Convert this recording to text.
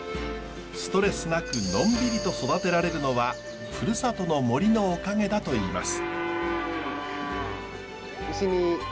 ストレスなくのんびりと育てられるのはふるさとの森のおかげだといいます。